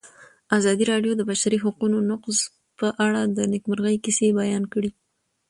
ازادي راډیو د د بشري حقونو نقض په اړه د نېکمرغۍ کیسې بیان کړې.